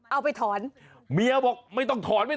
เอาไปถอน